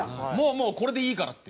もうこれでいいからって。